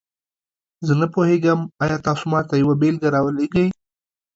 زه نه پوهیږم، آیا تاسو ماته یوه بیلګه راولیږئ؟